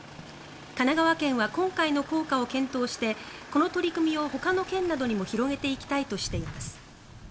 神奈川県は今回の効果を検討してこの取り組みをほかの県などにも広げていきたいとしています。